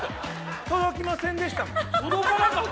届きませんでしたもん。